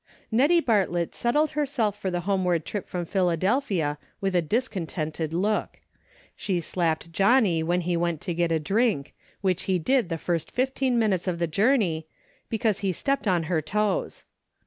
" Nettie Bartlett settled herself for the home ward trip from Philadelphia with a discon tented look. She slapped Johnnie when he went to get a drink — which he did the first fifteen minutes of the journey — because he stepped on her toes.